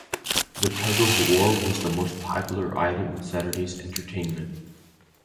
The tug of war was the most popular item in Saturday's entertainment.